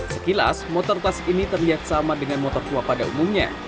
sekilas motor tas ini terlihat sama dengan motor tua pada umumnya